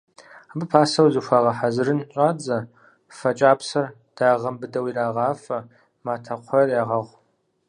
Абы пасэу зыхуагъэхьэзырын щӀадзэ: фэ кӀапсэр дагъэм быдэу ирагъафэ, матэ кхъуейр ягъэгъу.